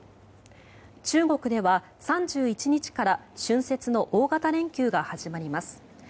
中国では３１日から春節の大型連休が始まります。